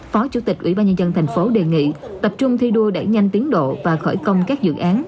phó chủ tịch ủy ban nhân dân tp hcm đề nghị tập trung thi đua đẩy nhanh tiến độ và khởi công các dự án